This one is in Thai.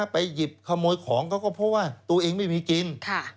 ไปหยิบขโมยของเขาก็เพราะว่าตัวเองไม่มีกิน